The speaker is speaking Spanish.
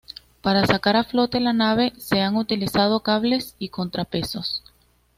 Para sacar a flote la nave, se han utilizado cables y contrapesos.